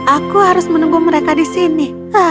aku harus menunggu mereka di sini